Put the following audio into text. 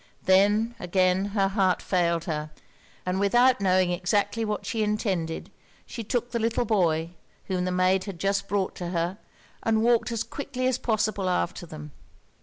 Then again her heart failed her; and without knowing exactly what she intended, she took the little boy, whom the maid had just brought to her, and walked as quickly as possible after them.